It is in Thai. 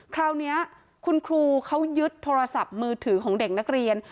คราวนี้คุณครูเขายึดโทรศัพท์มือถือของเด็กนักเรียน